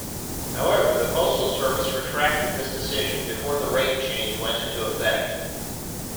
However, the postal service retracted this decision before the rate change went into effect.